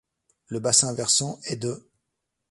Le bassin versant est de |.